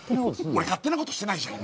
俺勝手なことしてないじゃん